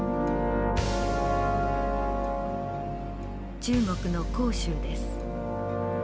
中国の広州です。